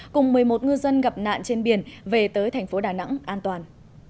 cùng một mươi một ngư dân gặp nạn trên biển về tới thành phố đà nẵng an toàn